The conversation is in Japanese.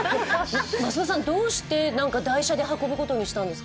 増田さん、どうして台車で運んでくることにしたんですか？